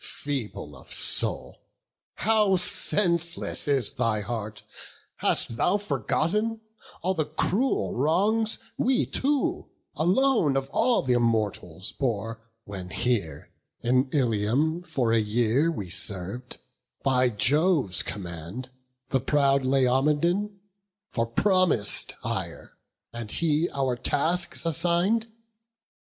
Feeble of soul, how senseless is thy heart! Hast thou forgotten all the cruel wrongs We two, alone of all th' Immortals, bore, When here, in Ilium, for a year, we serv'd, By Jove's command, the proud Laomedon, For promis'd hire; and he our tasks assign'd?